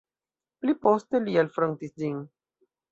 Pli poste li alfrontis ĝin.